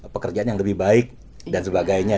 pekerjaan yang lebih baik dan sebagainya